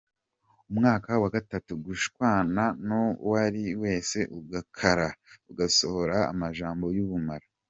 Umwaka wa gatatu: gushwana n'uwariwe wese, ugakara, ugasohora amajambo y'ubumara.